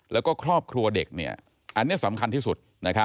แล้วก็ครอบครัวเด็กอันนี้สำคัญที่สุด